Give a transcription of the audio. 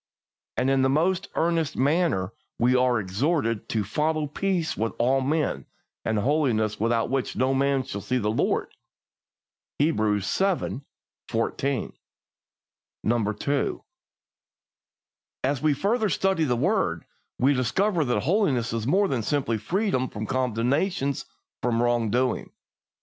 And in the most earnest manner we are exhorted to "follow peace with all men, and holiness, without which no man shall see the Lord" (Hebrews xii. 14). 2. As we further study the word, we discover that holiness is more than simple freedom from condemnation for wrong doing.